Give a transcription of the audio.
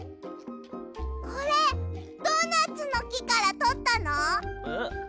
これドーナツのきからとったの？え？